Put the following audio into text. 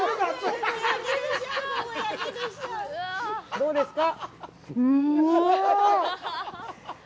どうですか？